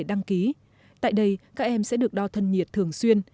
để đăng ký tại đây các em sẽ được đo thân nhiệt thường xuyên